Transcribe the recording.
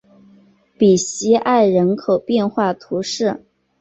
比西埃人口变化图示